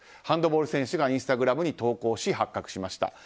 ハンドボール選手がインスタグラムに投稿し発覚しました。